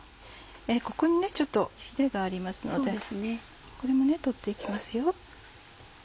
ここにちょっとヒレがありますのでこれも取って行きますよ。